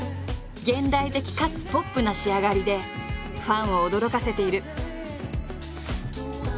現代的かつポップな仕上がりでファンを驚かせている。